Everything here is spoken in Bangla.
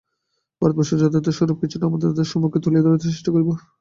ভারতবর্ষের যথার্থ স্বরূপ কিছুটা আপনাদের সম্মুখে তুলিয়া ধরিতে চেষ্টা করিব।